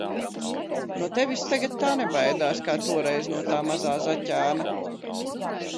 No tevis tagad tā nebaidās, kā toreiz no tā mazā zaķēna.